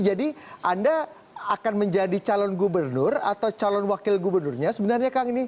jadi anda akan menjadi calon gubernur atau calon wakil gubernurnya sebenarnya kang ini